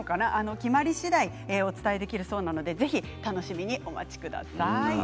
決まり次第お伝えできるそうなのでぜひ楽しみにお待ちください。